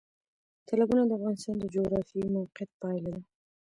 تالابونه د افغانستان د جغرافیایي موقیعت پایله ده.